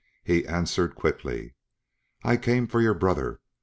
He answered quickly: "I came for your brother.